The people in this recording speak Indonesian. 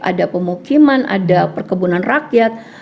ada pemukiman ada perkebunan rakyat